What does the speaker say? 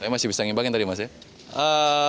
masih bisa ngembangin tadi mas ya